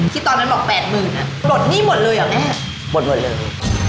ตอนนั้นบอกแปดหมื่นอ่ะปลดหนี้หมดเลยเหรอแม่ปลดหมดเลย